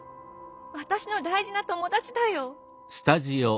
私の大事な友達だよ。